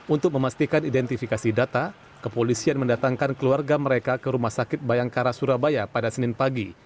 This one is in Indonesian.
untuk memastikan identifikasi data kepolisian mendatangkan keluarga mereka ke rumah sakit bayangkara surabaya pada senin pagi